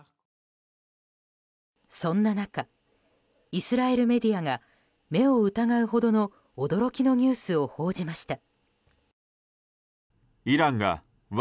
そんな中、イスラエルメディアが目を疑うほどの驚きのニュースを報じました。